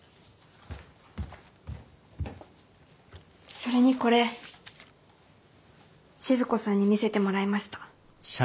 それにこれ静子さんに見せてもらいました。